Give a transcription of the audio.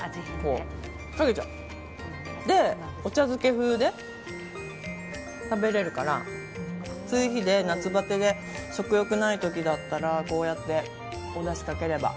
それでお茶漬け風で食べられるから夏バテで食欲がない日だったらこうやっておだしをかければ。